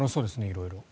色々。